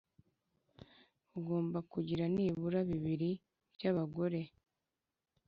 Ugomba kugira nibura bibiri by’abagore.